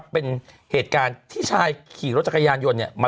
เป็นเหตุการณ์ที่ชายขี่รถจักรยานยนต์เนี่ย